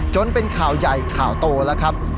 จนเป็นข่าวใหญ่ข่าวโตแล้วครับ